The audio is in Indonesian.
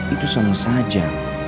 itu sama saja